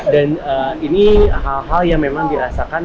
dan ini hal hal yang memang dirasakan